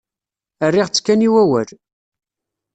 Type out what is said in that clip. Rriɣ-tt kan i wawal.